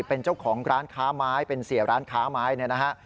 เป็นเจ้าของร้านค้าไม้เป็นเสียร้านค้าไม้เนี่ยนะฮะ